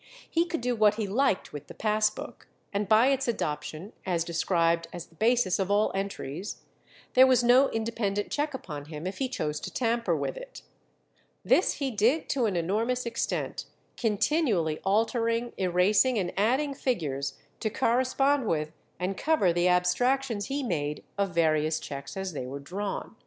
He could do what he liked with the pass book, and by its adoption, as described as the basis of all entries, there was no independent check upon him if he chose to tamper with it. This he did to an enormous extent, continually altering, erasing, and adding figures to correspond with and cover the abstractions he made of various cheques as they were drawn.